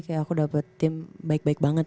kayak aku dapet tim baik baik banget